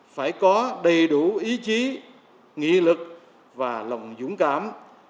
phải có đầy đủ ý chí nghị lực và lòng dũng cảm